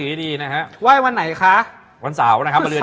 เล็กเล็กเล็กเล็กเล็กเล็กเล็ก